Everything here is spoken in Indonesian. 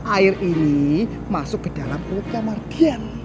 air ini masuk ke dalam perutnya margian